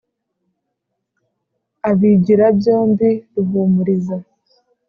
Abigira byombi Ruhumuriza